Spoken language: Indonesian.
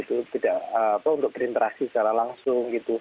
untuk berinteraksi secara langsung